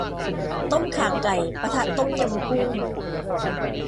ต้มข่าไก่ ปะทะ ต้มยำกุ้ง